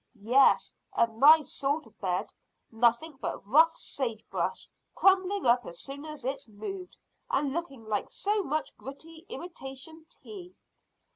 "Yes; a nice sort of bed! Nothing but rough sage brush, crumbling up as soon as it's moved, and looking like so much gritty imitation tea."